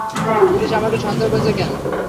Police আমাকে সন্দেহ করছে, -কেনো?